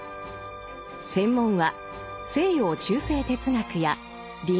専門は西洋中世哲学や倫理学。